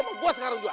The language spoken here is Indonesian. mau gua sekarang juga